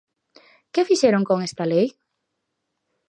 ¿Que fixeron con esta lei?